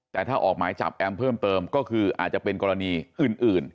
แต่ถ้าออกหมายจับแอมเพิ่มเติมก็คืออาจจะเป็นกรณีอื่น